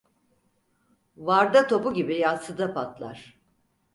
Varda topu gibi yatsıda patlar.